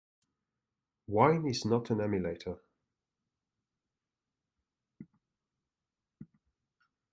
Wine is not an emulator.